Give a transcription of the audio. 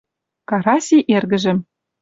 Караси эргӹжӹм